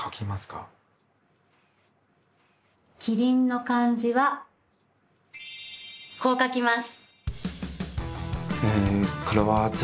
「キリン」の漢字はこう書きます。